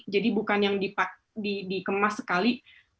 bukan yang dikemas sekali